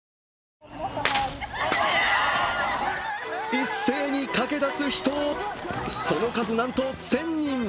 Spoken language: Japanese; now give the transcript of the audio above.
一斉に駆け出す人、その数なんと１０００人。